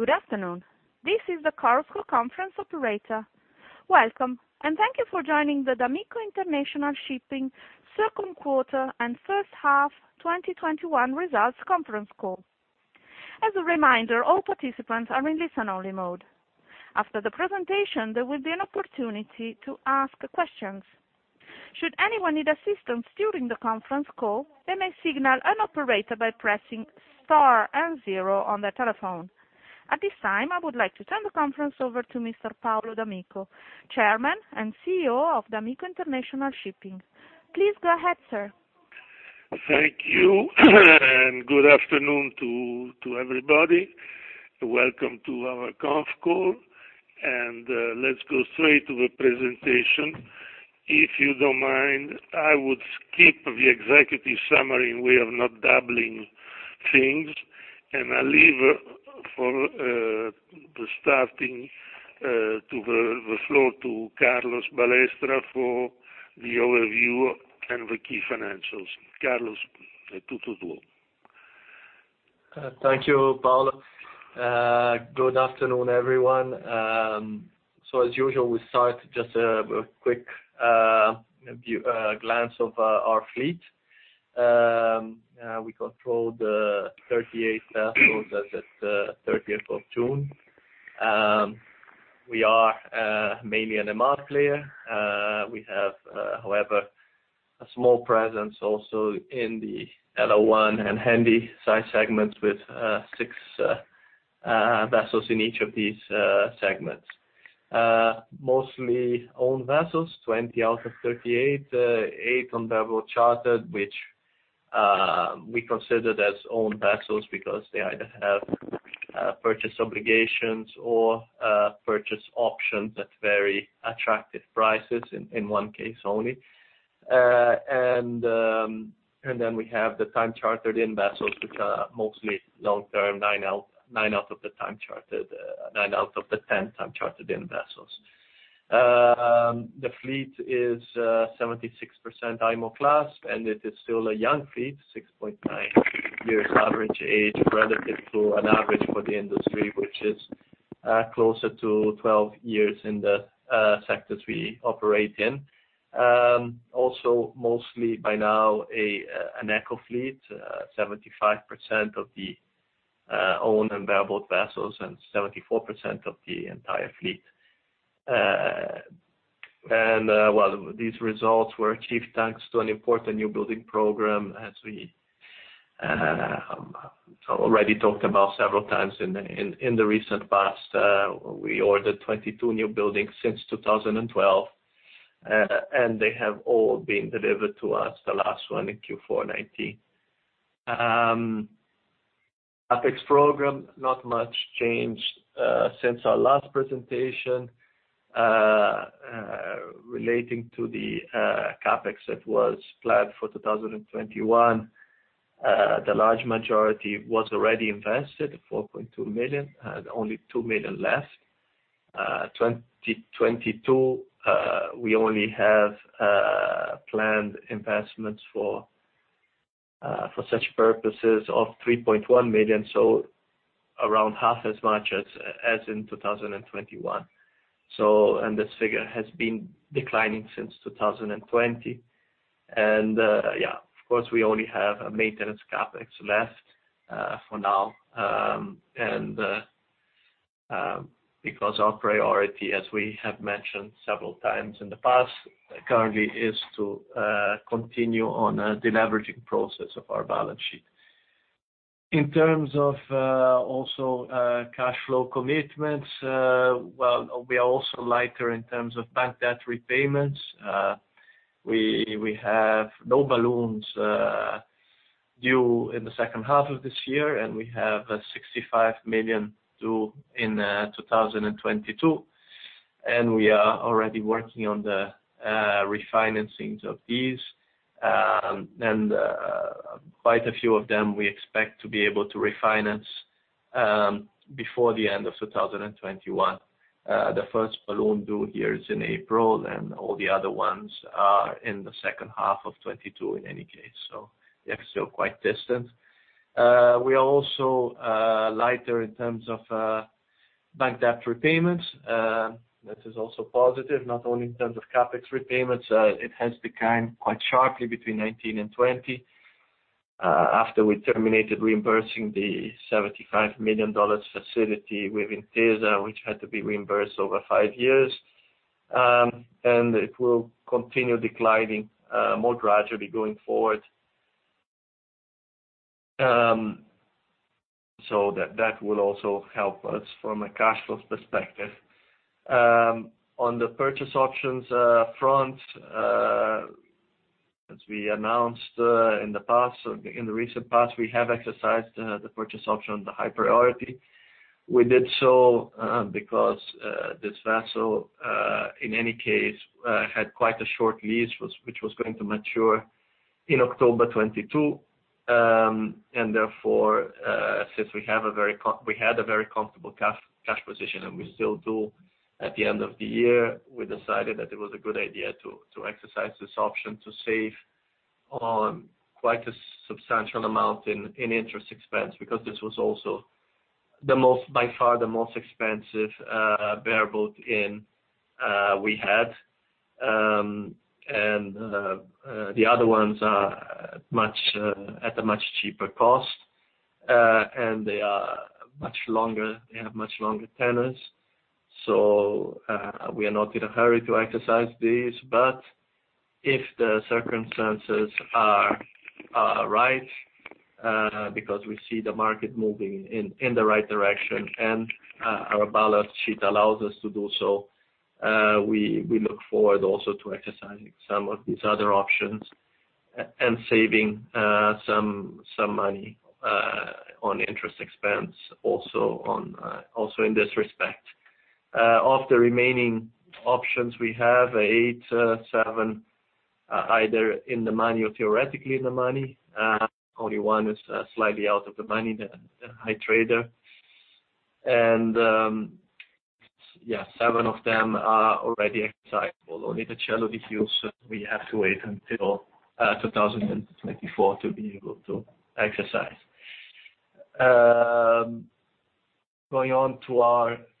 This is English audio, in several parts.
Good afternoon. This is the Chorus Call conference operator. Welcome, thank you for joining the d'Amico International Shipping second quarter and first half 2021 results conference call. As a reminder, all participants are in listen-only mode. After the presentation, there will be an opportunity to ask questions. Should anyone need assistance during the conference call, they may signal an operator by pressing star and zero on their telephone. At this time, I would like to turn the conference over to Mr. Paolo d'Amico, chairman and CEO of d'Amico International Shipping. Please go ahead, sir. Thank you and good afternoon to everybody. Welcome to our conf call, and let's go straight to the presentation. If you don't mind, I would skip the executive summary, we are not doubling things, and I leave for the starting, the floor to Carlos Balestra for the overview and the key financials. Carlos, it's all yours. Thank you, Paolo. Good afternoon, everyone. As usual, we start just a quick glance of our fleet. We controlled 38 vessels as at 30th of June. We are mainly an MR player. We have, however, a small presence also in the LR1 and Handysize segments with six vessels in each of these segments. Mostly owned vessels, 20 out of 38, eight on double charter, which we consider as owned vessels because they either have purchase obligations or purchase options at very attractive prices in one case only. Then we have the time chartered-in vessels, which are mostly long-term, 9 out of the 10 time chartered-in vessels. The fleet is 76% IMO class, and it is still a young fleet, 6.9 years average age relative to an average for the industry, which is closer to 12 years in the sectors we operate in. Mostly by now, an eco fleet, 75% of the owned and bareboat vessels, and 74% of the entire fleet. Well, these results were achieved thanks to an important new building program, as we already talked about several times in the recent past. We ordered 22 new buildings since 2012, and they have all been delivered to us, the last one in Q4 2019. CapEx program, not much change since our last presentation relating to the CapEx that was planned for 2021. The large majority was already invested, $4.2 million, and only $2 million left. 2022, we only have planned investments for such purposes of $3.1 million, so around half as much as in 2021. This figure has been declining since 2020. Yeah, of course, we only have a maintenance CapEx left for now, because our priority, as we have mentioned several times in the past, currently is to continue on a deleveraging process of our balance sheet. In terms of also cash flow commitments, well, we are also lighter in terms of bank debt repayments. We have no balloons due in the second half of this year, we have $65 million due in 2022, and we are already working on the refinancings of these. Quite a few of them, we expect to be able to refinance before the end of 2021. The first balloon due here is in April, all the other ones are in the second half of 2022 in any case. They are still quite distant. We are also lighter in terms of bank debt repayments. That is also positive, not only in terms of CapEx repayments. It has declined quite sharply between 2019 and 2020, after we terminated reimbursing the $75 million facility with Intesa, which had to be reimbursed over five years. It will continue declining more gradually going forward. That will also help us from a cash flow perspective. On the purchase options front, as we announced in the recent past, we have exercised the purchase option, the High Priority. We did so because this vessel, in any case, had quite a short lease, which was going to mature in October 2022. Therefore, since we had a very comfortable cash position, and we still do at the end of the year, we decided that it was a good idea to exercise this option to save on quite a substantial amount in interest expense, because this was also by far the most expensive bareboat we had. The other ones are at a much cheaper cost, and they have much longer tenors, so we are not in a hurry to exercise these. If the circumstances are right, because we see the market moving in the right direction and our balance sheet allows us to do so, we look forward also to exercising some of these other options and saving some money on interest expense also in this respect. Of the remaining options, we have eight, seven either in the money or theoretically in the money. Only one is slightly out of the money, the High Trader. Yes, seven of them are already exercisable. Only the Cielo di Fios, we have to wait until 2024 to be able to exercise.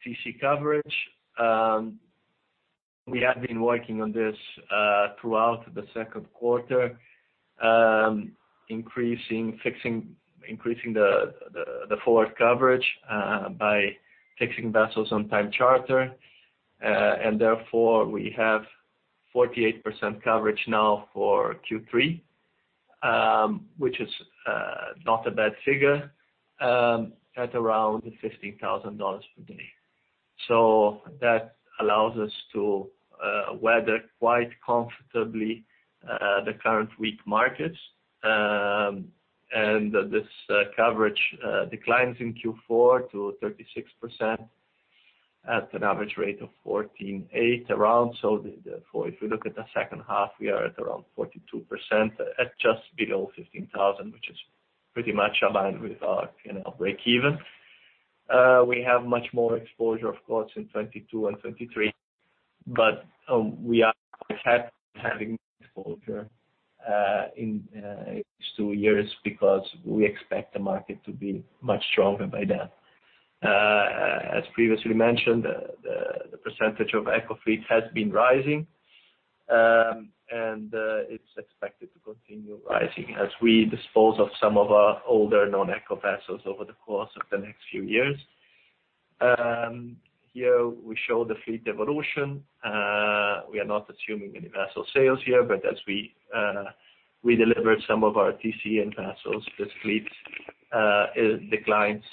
Going on to our TC coverage. We have been working on this throughout the second quarter, increasing the forward coverage by fixing vessels on time charter. Therefore, we have 48% coverage now for Q3, which is not a bad figure, at around $15,000 per day. That allows us to weather quite comfortably the current weak markets. This coverage declines in Q4 to 36% at an average rate of $14,800 around. Therefore, if we look at the second half, we are at around 42% at just below $15,000, which is pretty much aligned with our breakeven. We have much more exposure, of course, in 2022 and 2023, but we are quite happy having exposure in these two years because we expect the market to be much stronger by then. As previously mentioned, the percentage of eco fleet has been rising, and it's expected to continue rising as we dispose of some of our older non-eco vessels over the course of the next few years. Here we show the fleet evolution. We are not assuming any vessel sales here, but as we deliver some of our TC-in vessels, this fleet declines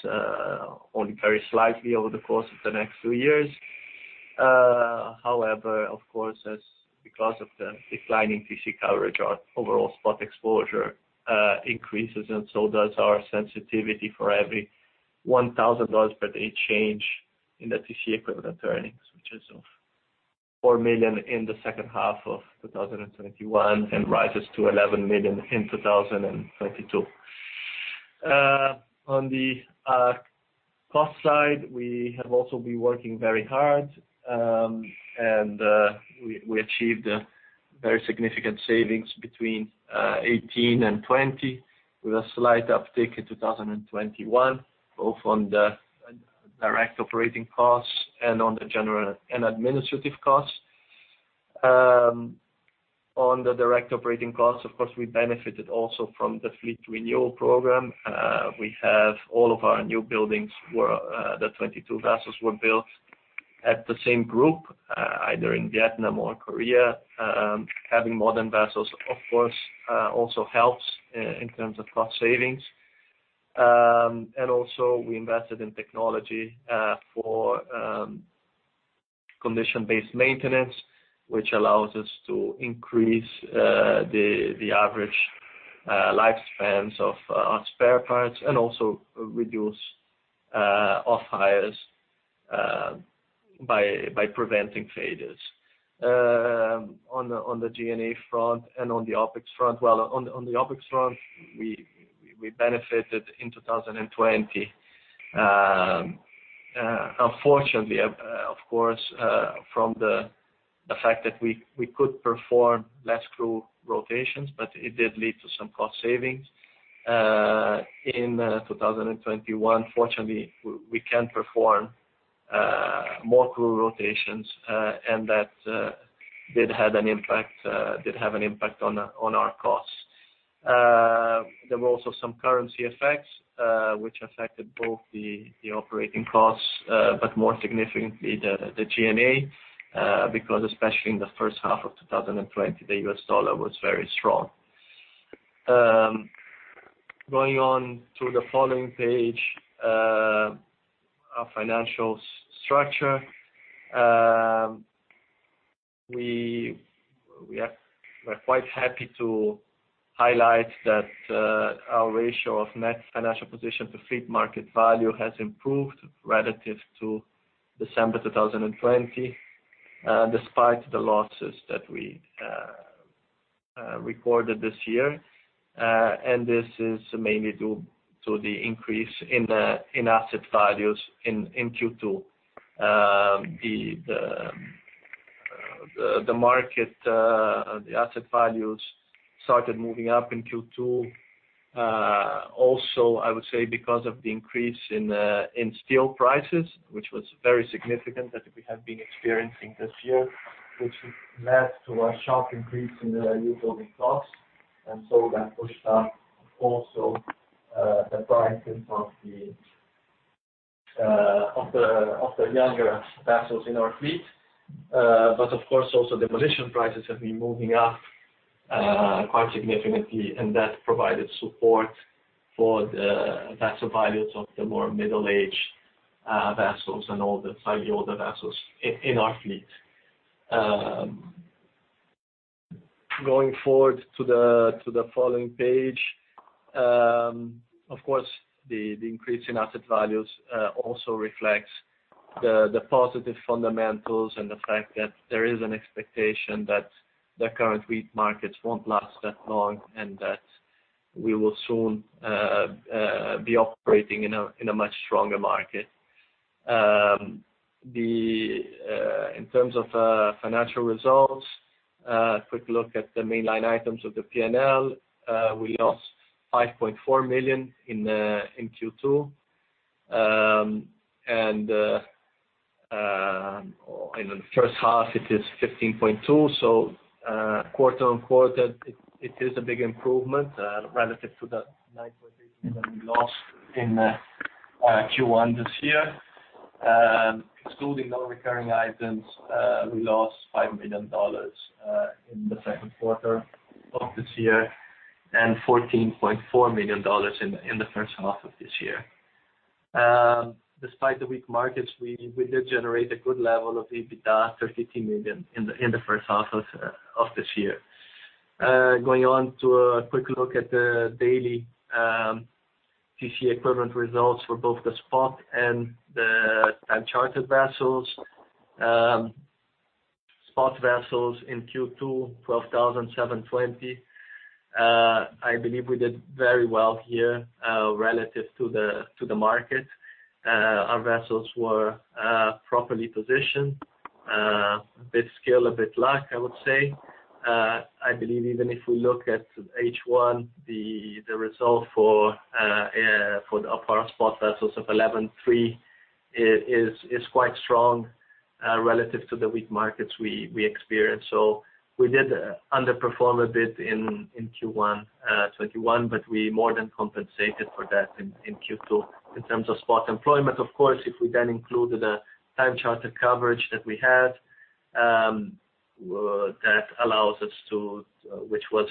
only very slightly over the course of the next two years. Of course, because of the declining TC coverage, our overall spot exposure increases, and so does our sensitivity for every $1,000 per day change in the TC equivalent earnings, which is of $4 million in the second half of 2021 and rises to $11 million in 2022. On the cost side, we have also been working very hard, and we achieved a very significant savings between 2018 and 2020, with a slight uptick in 2021, both on the direct operating costs and on the general and administrative costs. On the direct operating costs, of course, we benefited also from the fleet renewal program. We have all of our new buildings, the 22 vessels were built at the same group, either in Vietnam or Korea. Having modern vessels, of course, also helps in terms of cost savings. Also we invested in technology for condition-based maintenance, which allows us to increase the average lifespans of our spare parts and also reduce off-hires by preventing failures. On the G&A front and on the OpEx front, well, on the OpEx front, we benefited in 2020, unfortunately, of course, from the fact that we could perform less crew rotations, but it did lead to some cost savings. In 2021, fortunately, we can perform more crew rotations, and that did have an impact on our costs. There were also some currency effects, which affected both the operating costs, but more significantly the G&A, because especially in the first half of 2020, the US dollar was very strong. Going on to the following page, our financial structure. We are quite happy to highlight that our ratio of net financial position to fleet market value has improved relative to December 2020 despite the losses that we recorded this year. This is mainly due to the increase in asset values in Q2. The market, the asset values started moving up in Q2. I would say because of the increase in steel prices, which was very significant, that we have been experiencing this year, which has led to a sharp increase in the new building costs. That pushed up also the prices of the younger vessels in our fleet. Of course, also demolition prices have been moving up quite significantly, and that provided support for the vessel values of the more middle-age vessels and all the slightly older vessels in our fleet. Going forward to the following page, of course, the increase in asset values also reflects the positive fundamentals and the fact that there is an expectation that the current weak markets won't last that long, and that we will soon be operating in a much stronger market. In terms of financial results, a quick look at the mainline items of the P&L. We lost $5.4 million in Q2. In the first half, it is $15.2, so quarter-on-quarter, it is a big improvement relative to the $9.3 million we lost in Q1 this year. Excluding non-recurring items, we lost $5 million in the second quarter of this year and $14.4 million in the first half of this year. Despite the weak markets, we did generate a good level of EBITDA, $32 million, in the first half of this year. Going on to a quick look at the daily TCE equivalent results for both the spot and the time charter vessels. Spot vessels in Q2 $12,720. I believe we did very well here relative to the market. Our vessels were properly positioned. A bit skill, a bit luck, I would say. I believe even if we look at H1, the result for our spot vessels of $11.3 is quite strong relative to the weak markets we experienced. We did underperform a bit in Q1 2021, but we more than compensated for that in Q2. In terms of spot employment, of course, if we then include the time charter coverage that we had, which was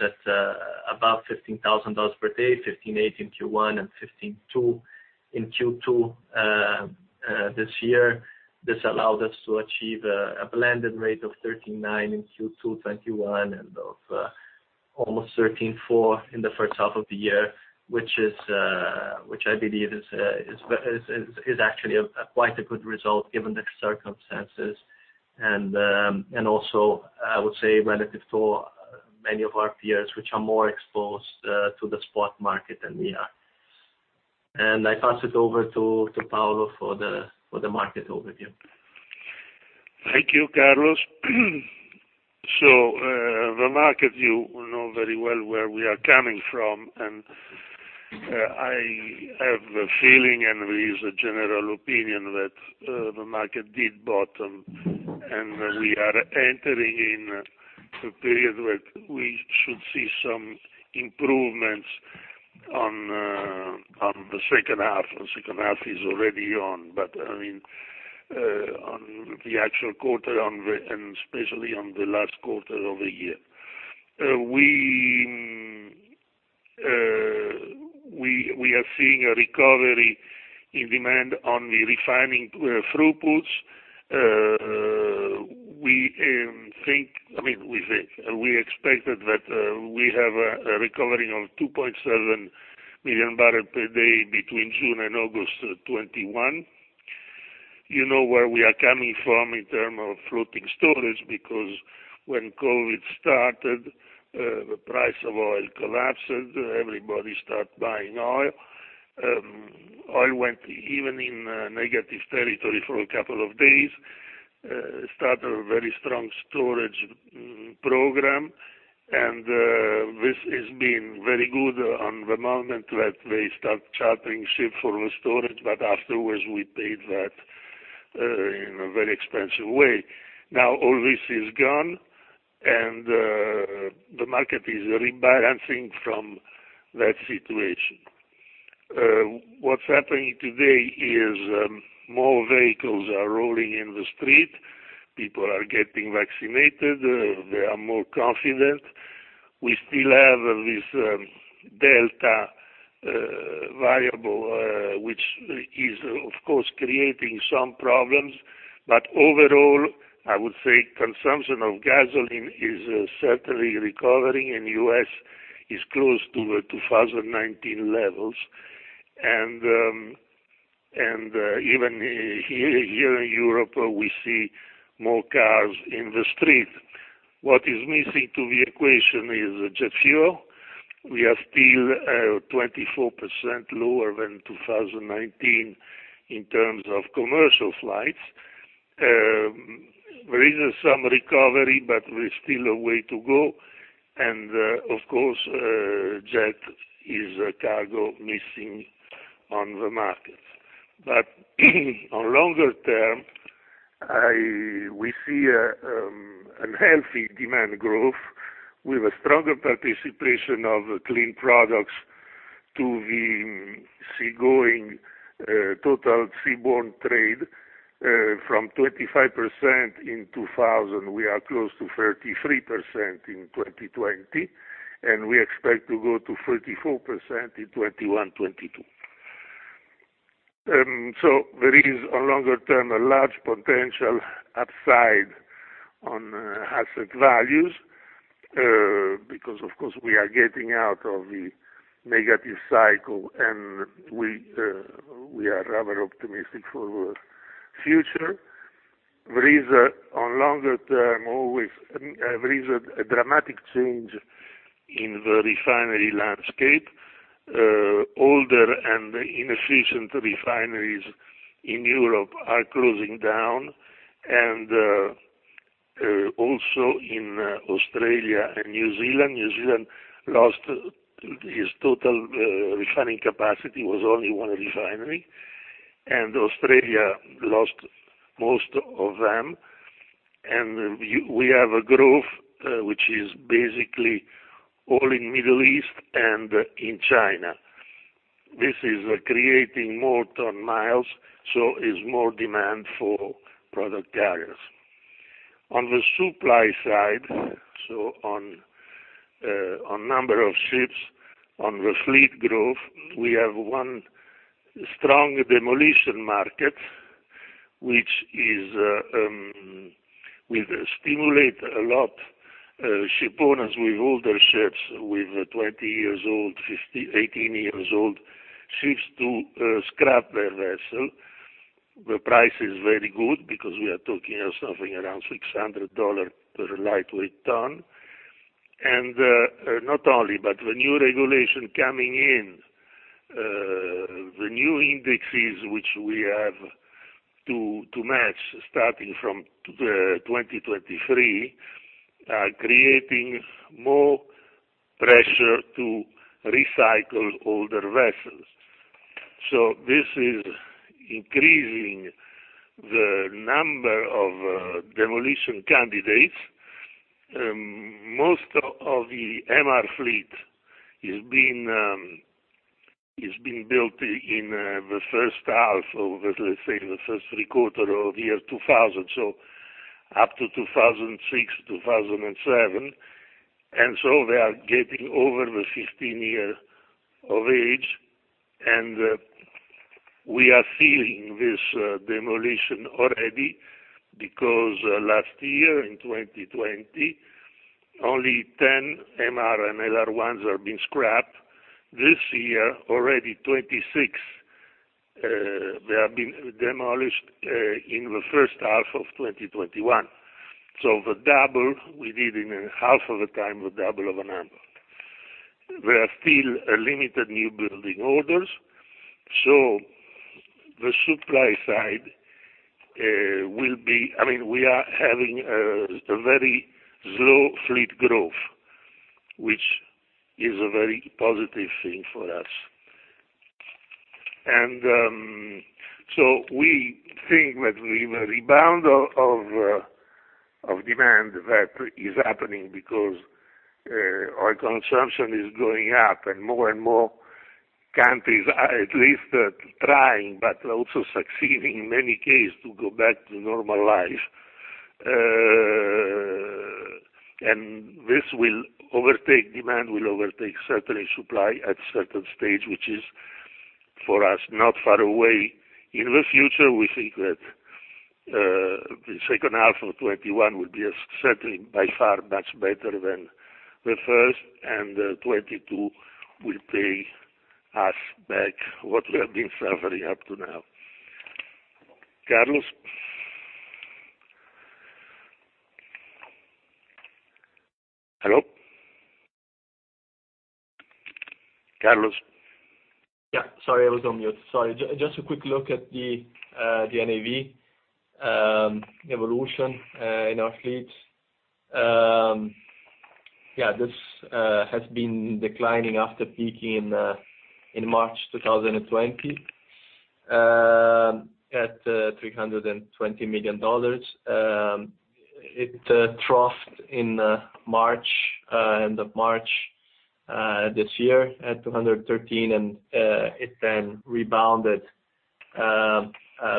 at above $15,000 per day, $15.8 in Q1 and $15.2 in Q2 this year. This allowed us to achieve a blended rate of 13.9 in Q2 2021, and of almost 13.4 in the first half of the year, which I believe is actually quite a good result given the circumstances. Also, I would say relative to many of our peers, which are more exposed to the spot market than we are. I pass it over to Paolo for the market overview. Thank you, Carlos. The market, you know very well where we are coming from, and I have a feeling, and it is a general opinion, that the market did bottom, and we are entering in a period where we should see some improvements on the second half, and second half is already on the actual quarter, and especially on the last quarter of the year. We are seeing a recovery in demand on the refining throughputs. We expected that we have a recovery of 2.7 MMbpd between June and August 2021. You know where we are coming from in terms of floating storage, because when COVID started, the price of oil collapsed, everybody start buying oil. Oil went even in negative territory for a couple of days, start a very strong storage program, and this has been very good on the moment that they start chartering ship for the storage, but afterwards, we paid that in a very expensive way. Now all this is gone, the market is rebalancing from that situation. What's happening today is more vehicles are rolling in the street. People are getting vaccinated. They are more confident. We still have this Delta variant, which is, of course, creating some problems. Overall, I would say consumption of gasoline is certainly recovering, and U.S. is close to 2019 levels. Even here in Europe, we see more cars in the street. What is missing to the equation is jet fuel. We are still 24% lower than 2019 in terms of commercial flights. There is some recovery, but there's still a way to go, and of course, jet is cargo missing on the markets. On longer term, we see a healthy demand growth with a stronger participation of clean products to the total seaborne trade. From 25% in 2000, we are close to 33% in 2020, and we expect to go to 34% in 2021, 2022. There is, on longer term, a large potential upside on asset values, because of course, we are getting out of the negative cycle and we are rather optimistic for the future. There is, on longer term always, a dramatic change in the refinery landscape. Older and inefficient refineries in Europe are closing down, and also in Australia and New Zealand. New Zealand lost its total refining capacity. It was only one refinery. Australia lost most of them. We have a growth which is basically all in Middle East and in China. This is creating more ton-miles, so is more demand for product carriers. On the supply side, so on number of ships, on the fleet growth, we have one strong demolition market, which will stimulate a lot ship owners with older ships, with 20 years old, 18 years old ships, to scrap their vessel. The price is very good because we are talking of something around $600 per lightweight ton. Not only, but the new regulation coming in, the new indexes which we have to match, starting from 2023, are creating more pressure to recycle older vessels. This is increasing the number of demolition candidates. Most of the MR fleet is being built in the first half of, let's say, the first three quarters of year 2000, so up to 2006, 2007. They are getting over the 15 year of age, and we are feeling this demolition already, because last year in 2020, only 10 MR and LR1s have been scrapped. This year, already 26 have been demolished in the first half of 2021. The double we did in half of the time, the double of a number. There are still limited new building orders. The supply side We are having a very slow fleet growth, which is a very positive thing for us. We think that the rebound of demand, that is happening because oil consumption is going up, and more and more countries are at least trying, but also succeeding in many cases, to go back to normal life. Demand will overtake certainly supply at certain stage, which is, for us, not far away. In the future, we think that the second half of 2021 will be certainly by far much better than the first, and 2022 will pay us back what we have been suffering up to now. Carlos? Hello? Carlos? Yeah. Sorry, I was on mute. Sorry. Just a quick look at the NAV evolution in our fleet. This has been declining after peaking in March 2020, at $320 million. It troughed in end of March this year at $213 million, and it then rebounded,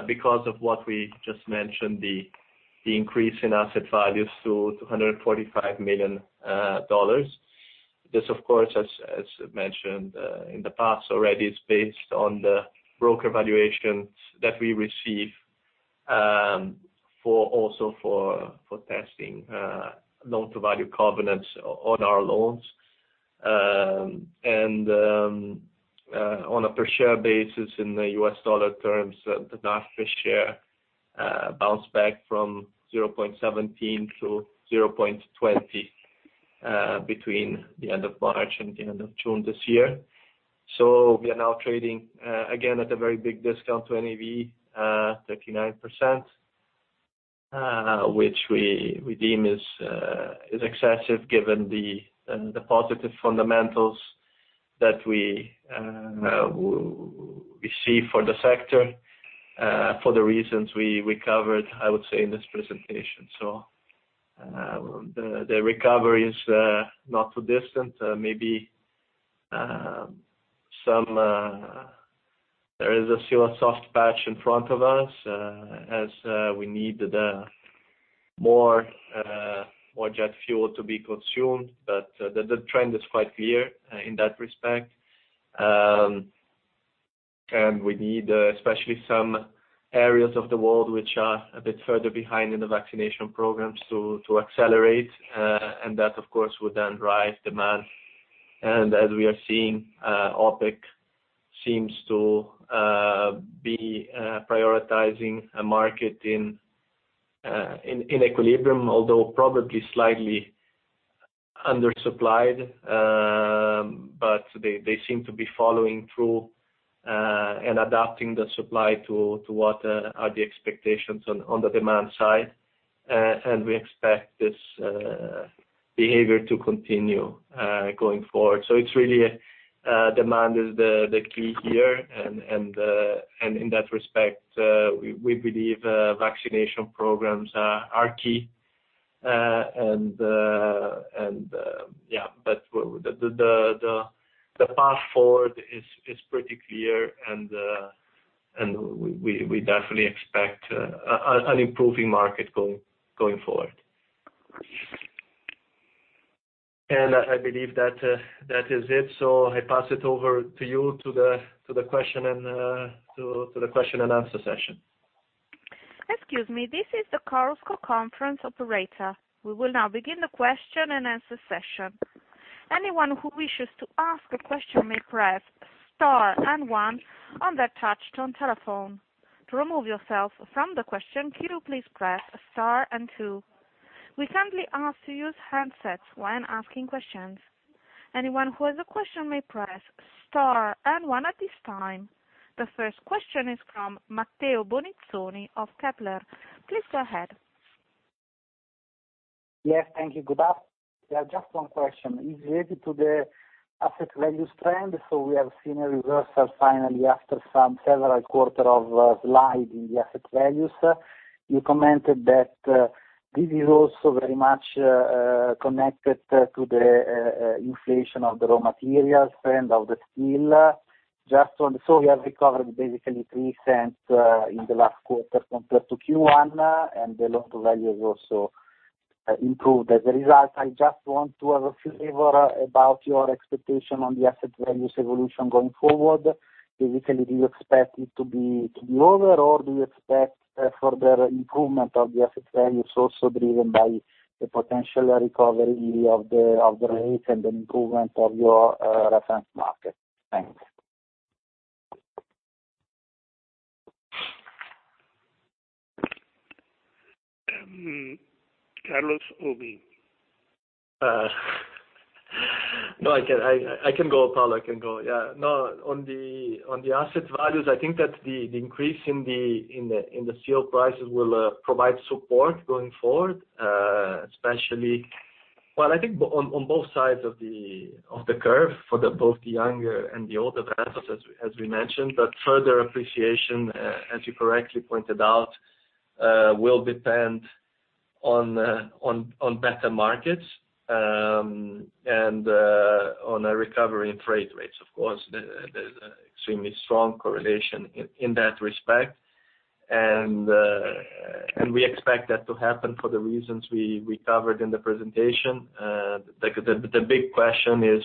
because of what we just mentioned, the increase in asset values to $245 million. This, of course, as mentioned in the past already, is based on the broker valuations that we receive, also for testing loan-to-value covenants on our loans. On a per share basis in the US dollar terms, the NAV per share bounced back from $0.17 to $0.20 between the end of March and the end of June this year. We are now trading again at a very big discount to NAV, 39%, which we deem is excessive given the positive fundamentals that we see for the sector for the reasons we covered, I would say, in this presentation. Maybe there is a still a soft patch in front of us as we need more jet fuel to be consumed. The trend is quite clear in that respect. We need especially some areas of the world which are a bit further behind in the vaccination programs to accelerate. That, of course, would then drive demand. As we are seeing, OPEC seems to be prioritizing a market in equilibrium, although probably slightly undersupplied. They seem to be following through, and adapting the supply to what are the expectations on the demand side. We expect this behavior to continue going forward. Demand is the key here, and in that respect, we believe vaccination programs are key. The path forward is pretty clear and we definitely expect an improving market going forward. I believe that is it. I pass it over to you to the question and answer session. We will now begin the question and answer session. Anyone who wishes to ask a question may press star one on their touch-tone telephone. To remove yourself from the question queue, please press star two. We kindly ask to use handsets when asking questions. Anyone who has a question may press star one at this time. The first question is from Matteo Bonizzoni of Kepler. Please go ahead. Yes, thank you. Good afternoon. Yeah, just one question. It is related to the asset values trend. We have seen a reversal finally after some several quarters of slide in the asset values. You commented that this is also very much connected to the inflation of the raw materials and of the steel. We have recovered basically $0.03 in the last quarter compared to Q1, and the local value has also improved as a result. I just want to have a flavor about your expectation on the asset values evolution going forward. Basically, do you expect it to be over, or do you expect further improvement of the asset values, also driven by the potential recovery of the rates and the improvement of your reference market? Thanks. Carlos or me? No, I can go. Paolo can go. Yeah, no. On the asset values, I think that the increase in the steel prices will provide support going forward. Well, I think on both sides of the curve for both the younger and the older vessels, as we mentioned, but further appreciation as you correctly pointed out will depend on better markets, and on a recovery in freight rates, of course. There is an extremely strong correlation in that respect. We expect that to happen for the reasons we covered in the presentation. The big question is: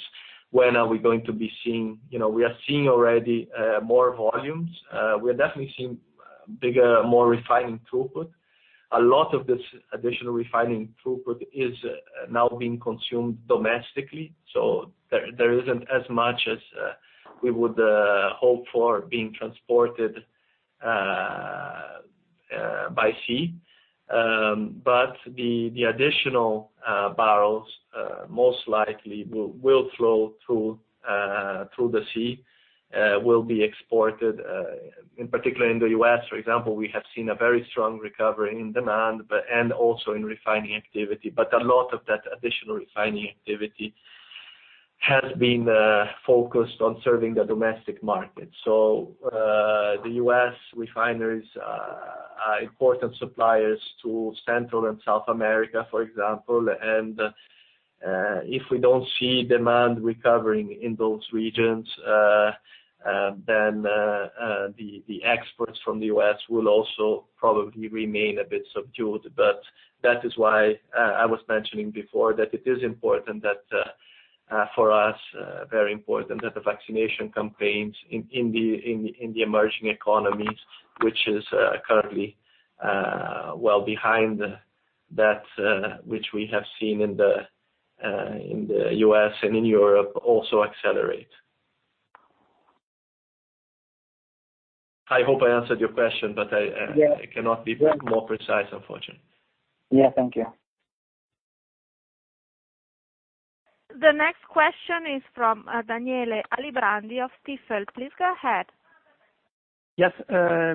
We are seeing already more volumes. We are definitely seeing bigger, more refining throughput. A lot of this additional refining throughput is now being consumed domestically, so there isn't as much as we would hope for being transported by sea. The additional barrels, most likely will flow through the sea, will be exported. In particular in the U.S., for example, we have seen a very strong recovery in demand, and also in refining activity. A lot of that additional refining activity has been focused on serving the domestic market. The U.S. refineries are important suppliers to Central and South America, for example. If we don't see demand recovering in those regions, then the exports from the U.S. will also probably remain a bit subdued. That is why I was mentioning before that it is important that, for us, very important that the vaccination campaigns in the emerging economies, which is currently well behind that which we have seen in the U.S. and in Europe also accelerate. I hope I answered your question. Yeah. Cannot be more precise, unfortunately. Yeah. Thank you. The next question is from Daniele Alibrandi of Stifel. Please go ahead. Yes.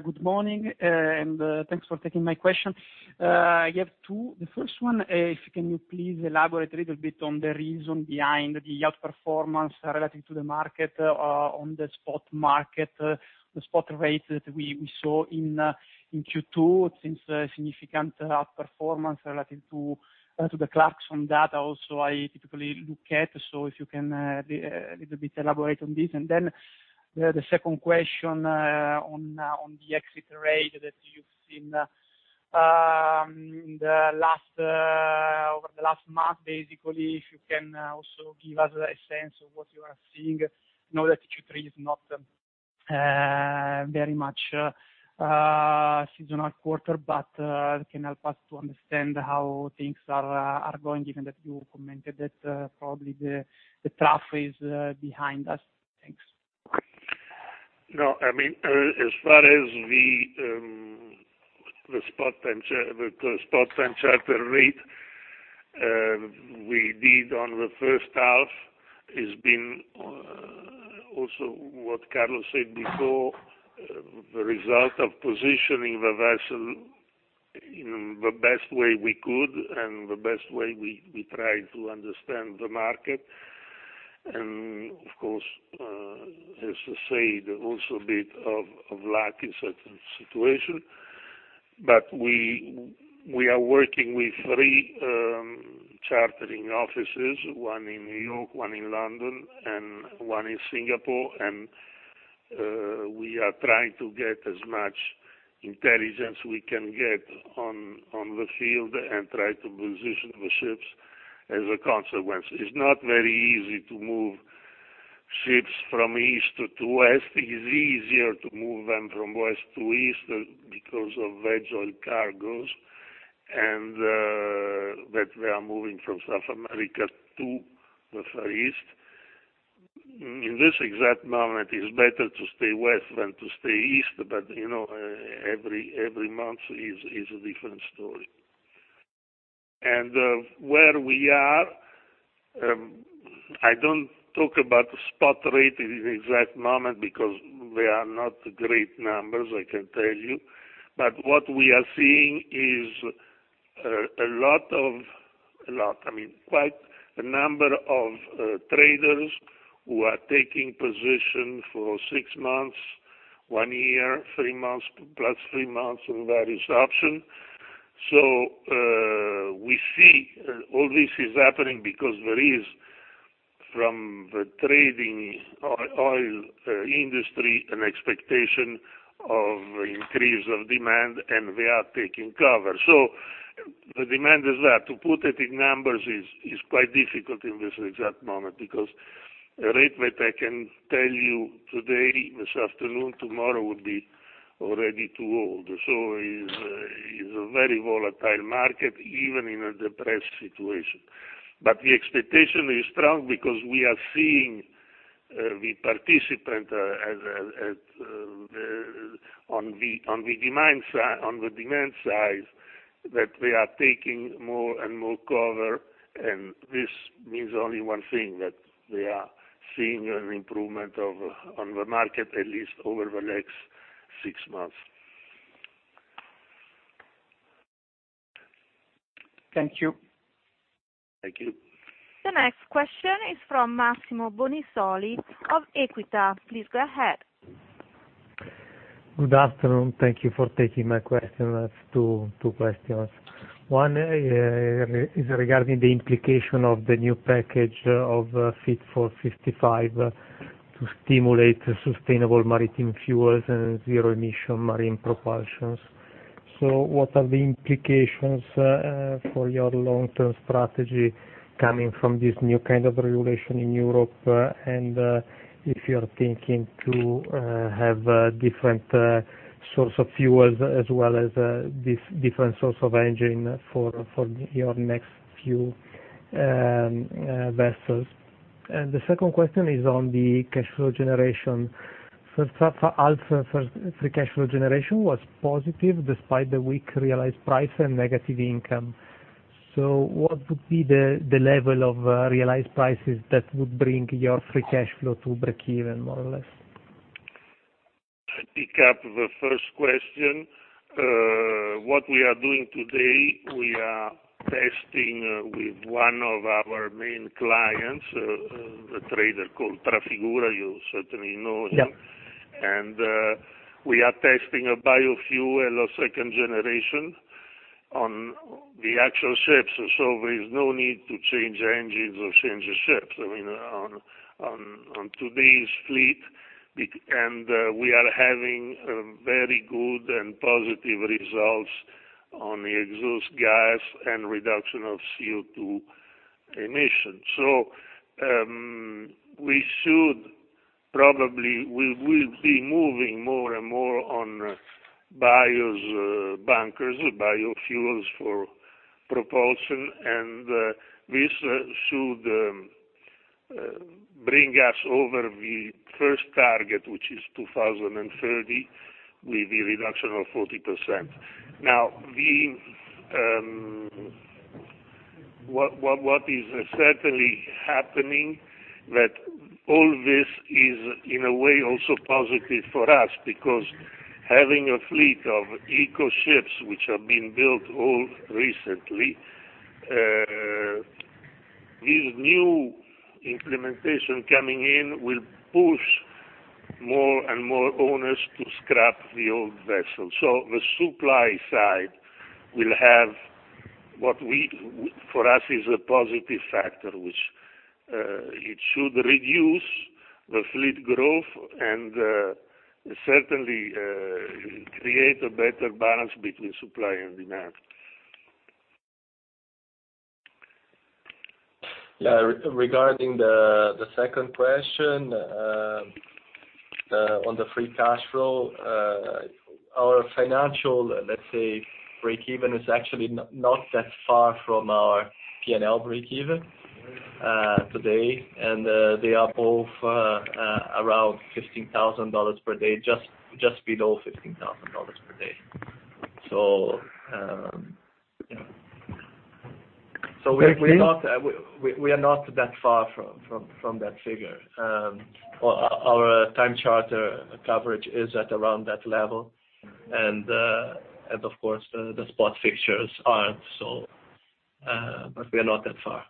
Good morning, and thanks for taking my question. I have 2. The first one is: Can you please elaborate a little bit on the reason behind the outperformance relating to the market on the spot market, the spot rate that we saw in Q2, since a significant outperformance relating to the Clarksons from data also I typically look at, so if you can a little bit elaborate on this. Then, the second question on the exit rate that you've seen over the last month basically, if you can also give us a sense of what you are seeing. I know that Q3 is not very much a seasonal quarter, but it can help us to understand how things are going, given that you commented that probably the trough is behind us. Thanks. No, as far as the spot trend charter rate, we did on the first half has been also what Carlos said before, the result of positioning the vessel in the best way we could and the best way we try to understand the market. Of course, as I said, also a bit of luck in certain situation. We are working with three chartering offices, one in New York, one in London, and one in Singapore, and we are trying to get as much intelligence we can get on the field and try to position the ships as a consequence. It's not very easy to move ships from east to west. It is easier to move them from west to east because of vegetable oil cargos, and that they are moving from South America to the Far East. In this exact moment, it is better to stay west than to stay east, but every month is a different story. Where we are, I don't talk about the spot rate in the exact moment because they are not great numbers, I can tell you. What we are seeing is a number of traders who are taking position for six months, one year, three months, plus three months on various option. We see all this is happening because there is, from the trading oil industry, an expectation of increase of demand, and they are taking cover. The demand is there. To put it in numbers is quite difficult in this exact moment because the rate that I can tell you today, this afternoon, tomorrow would be already too old. It is a very volatile market, even in a depressed situation. The expectation is strong because we are seeing the participant on the demand side, that they are taking more and more cover, and this means only one thing, that they are seeing an improvement on the market, at least over the next six months. Thank you. Thank you. The next question is from Massimo Bonisoli of Equita. Please go ahead. Good afternoon. Thank you for taking my question. I have two questions. One is regarding the implication of the new package of Fit for 55 to stimulate sustainable maritime fuels and zero emission marine propulsions. What are the implications for your long-term strategy coming from this new kind of regulation in Europe, and if you're thinking to have a different source of fuels as well as this different source of engine for your next few vessels? The second question is on the cash flow generation. First half free cash flow generation was positive despite the weak realized price and negative income. What would be the level of realized prices that would bring your free cash flow to break even, more or less? I pick up the first question. What we are doing today, we are testing with one of our main clients, a trader called Trafigura, you certainly know him. Yeah. We are testing a biofuel of second generation on the actual ships, there's no need to change engines or change the ships on today's fleet. We are having very good and positive results on the exhaust gas and reduction of CO2 emissions. Probably, we will be moving more and more on bio-bunkers, biofuels for propulsion, and this should bring us over the first target, which is 2030, with the reduction of 40%. What is certainly happening, that all this is, in a way, also positive for us, because having a fleet of eco ships, which have been built all recently, this new implementation coming in will push more and more owners to scrap the old vessels. The supply side will have what for us is a positive factor, which it should reduce the fleet growth and certainly create a better balance between supply and demand. Yeah. Regarding the second question on the free cash flow, our financial, let's say, breakeven is actually not that far from our P&L breakeven today. They are both around $15,000 per day, just below $15,000 per day. Yeah. We are not that far from that figure. Our time charter coverage is at around that level, and of course, the spot fixtures aren't, but we are not that far.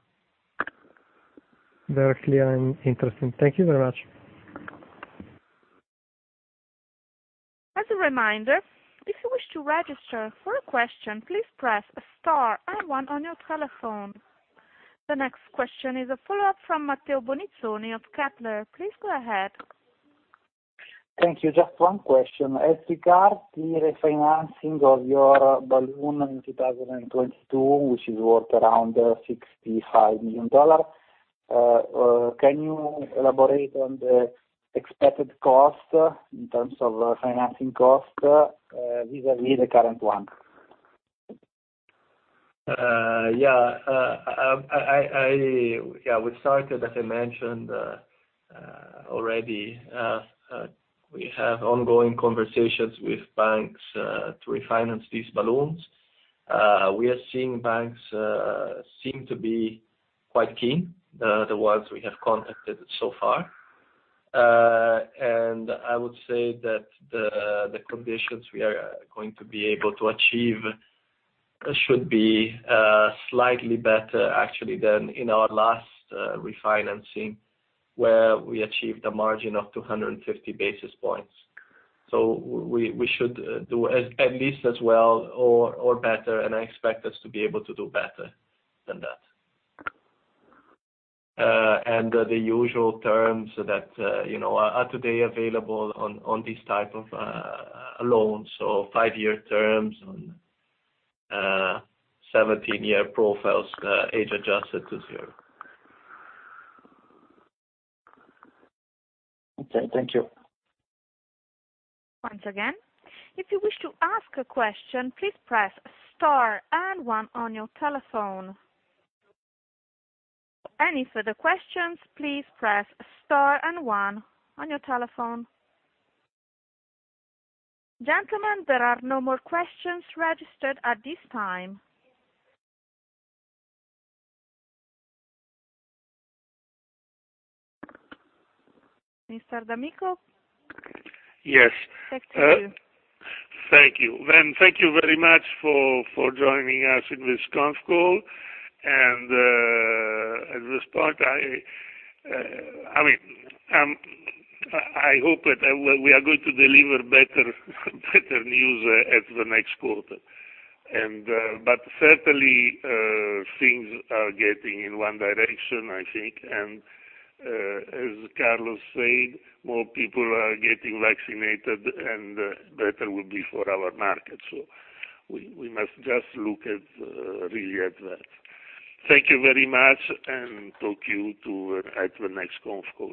Very clear and interesting. Thank you very much. As a reminder, if you wish to register for a question, please press star and one on your telephone. The next question is a follow-up from Matteo Bonizzoni of Kepler. Please go ahead. Thank you. Just one question. As regards the refinancing of your balloon in 2022, which is worth around $65 million, can you elaborate on the expected cost in terms of financing cost vis-à-vis the current one? Yeah. We started, as I mentioned already, we have ongoing conversations with banks to refinance these balloons. We are seeing banks seem to be quite keen, the ones we have contacted so far. I would say that the conditions we are going to be able to achieve should be slightly better, actually, than in our last refinancing, where we achieved a margin of 250 basis points. We should do at least as well or better, and I expect us to be able to do better than that. The usual terms that are today available on these type of loans, so five-year terms on 17-year profiles, age adjusted to zero. Okay, thank you. Gentlemen, there are no more questions registered at this time. Mr. d'Amico? Yes. Thank you. Thank you. Thank you very much for joining us in this conf call. At this point, I hope that we are going to deliver better news at the next quarter. Certainly, things are getting in one direction, I think, and as Carlos said, more people are getting vaccinated, and better will be for our market. We must just look really at that. Thank you very much, and talk to you at the next conf call.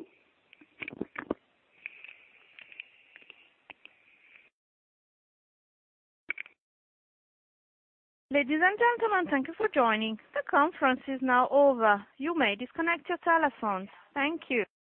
Ladies and gentlemen, thank you for joining. The conference is now over. You may disconnect your telephones. Thank you.